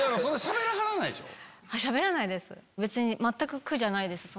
しゃべらないです。